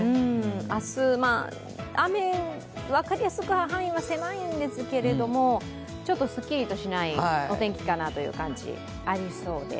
明日、分かりやすい範囲は狭いんですけれども、ちょっとスッキリとしないお天気かなという感じがありそうです。